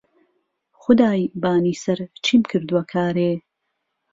خودای بانی سهر چیم کردووه کارێ